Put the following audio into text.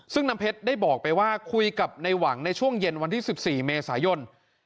ซึ่งน้ำเพชรได้บอกไปว่าคุยกับในหวังในช่วงเย็นวันที่๑๔เมษายน